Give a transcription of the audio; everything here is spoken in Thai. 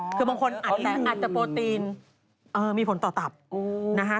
คือบางคนอาจจะโปรตีนมีผลต่อตับนะคะ